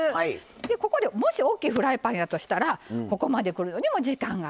でここでもしおっきいフライパンやとしたらここまで来るのにも時間がかかる。